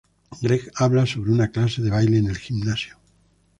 Greg habla sobre una clase de baile en el gimnasio.